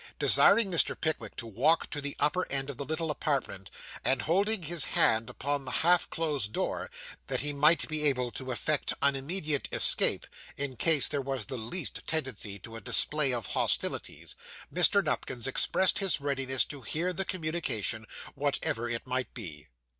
Desiring Mr. Pickwick to walk to the upper end of the little apartment, and holding his hand upon the half closed door, that he might be able to effect an immediate escape, in case there was the least tendency to a display of hostilities, Mr. Nupkins expressed his readiness to hear the communication, whatever it might be.